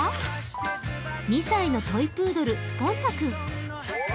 ２歳のトイプードル・ぽんた君。